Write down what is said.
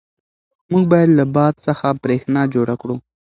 موږ باید له باد څخه برېښنا جوړه کړو.